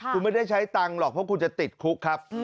คุณไม่ได้ใช้ตังค์หรอกเพราะคุณจะติดคุกครับ